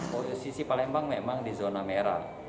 posisi palembang memang di zona merah